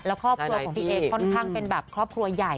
แล้วครอบครัวของพี่เอ๊ค่อนข้างเป็นแบบครอบครัวใหญ่